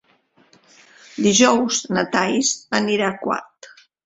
Dijous na Thaís anirà a Quart.